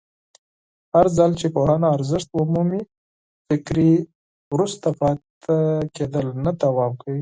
هرځل چې پوهنه ارزښت ومومي، فکري وروسته پاتې کېدل نه دوام کوي.